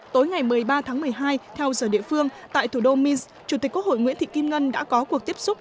tối ngày một mươi ba tháng một mươi hai theo giờ địa phương tại thủ đô minsk chủ tịch quốc hội nguyễn thị kim ngân đã có cuộc tiếp xúc